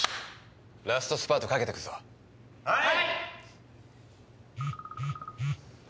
ラストスパートかけてくぞはい！